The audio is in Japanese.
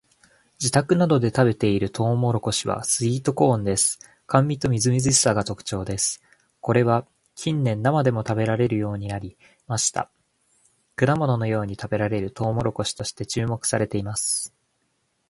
自宅などで食べているトウモロコシはスイートコーンです。甘味とみずみずしさが特徴です。これは近年生でも食べられるようになりました。果物のように食べられるトウモロコシとして注目されています。